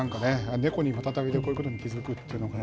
猫にマタタビで、こういうことに気付くというのが。